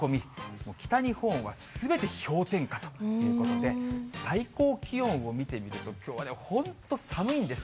もう北日本はすべて氷点下ということで、最高気温を見てみると、きょうはね、本当寒いんです。